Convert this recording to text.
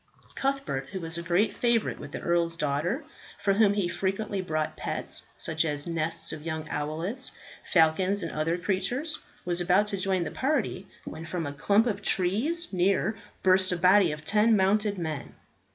Cuthbert who was a great favourite with the earl's daughter, for whom he frequently brought pets, such as nests of young owlets, falcons, and other creatures was about to join the party when from a clump of trees near burst a body of ten mounted men.